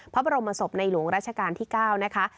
พระบรมศพในหลวงราชการที่๙นะคะ